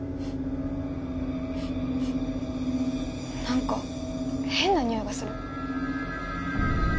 なんか変なにおいがする。